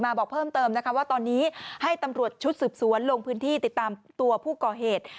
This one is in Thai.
บอกเพิ่มเติมนะคะว่าตอนนี้ให้ตำรวจชุดสืบสวนลงพื้นที่ติดตามตัวผู้ก่อเหตุ